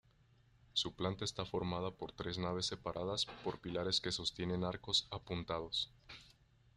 Su planta está formada por tres naves separadas por pilares que sostienen arcos apuntados.